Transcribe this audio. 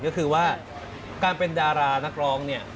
ก็คือว่าการเป็นดารานักร้องเนี่ย